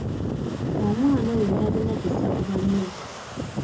Omwana oyo talina kisa ku banne.